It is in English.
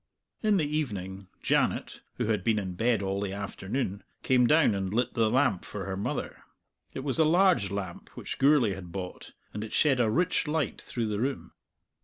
In the evening, Janet, who had been in bed all the afternoon, came down and lit the lamp for her mother. It was a large lamp which Gourlay had bought, and it shed a rich light through the room.